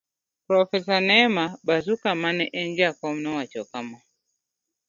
Profesa Nema Bazuka ma ne en jakom nowacho kama: